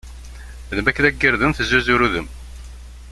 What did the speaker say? Lmakla n yirden tezzuzur udem.